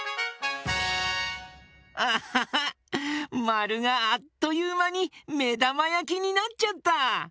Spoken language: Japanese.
まるがあっというまにめだまやきになっちゃった！